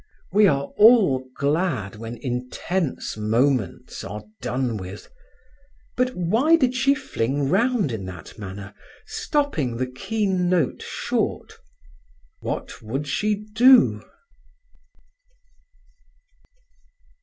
We are all glad when intense moments are done with; but why did she fling round in that manner, stopping the keen note short; what would she do?